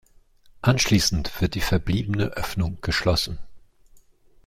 Anschließend wird die verbliebene Öffnung geschlossen.